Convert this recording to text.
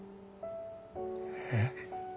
えっ？